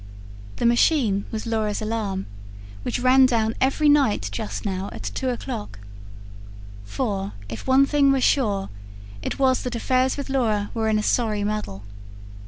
The "machine" was Laura's alarum, which ran down every night just now at two o'clock. For, if one thing was sure, it was that affairs with Laura were in a sorry muddle.